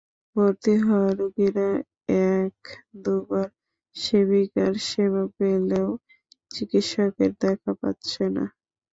ভর্তি হওয়া রোগীরা এক-দুবার সেবিকার সেবা পেলেও চিকিৎসকের দেখা পাচ্ছে না।